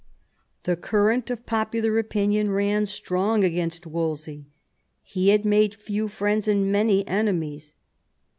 The current of popular opinion ran strong against Wolsey. He had made few friends and many enemies.